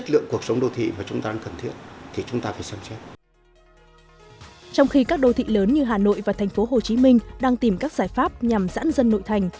trong khi các đô thị lớn như hà nội và tp hcm đang tìm các giải pháp nhằm giãn dân nội thành